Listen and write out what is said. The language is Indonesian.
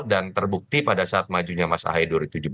dan terbukti pada saat majunya mas ahai dua ribu tujuh belas